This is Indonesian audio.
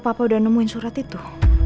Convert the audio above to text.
papa udah nemuin surat itu